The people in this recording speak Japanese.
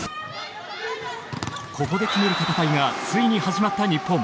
ココで決める戦いがついに始まった日本。